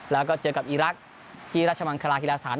แล้วก็เจอกับอีรักษ์ที่ราชมังคลาฮิลาสถาน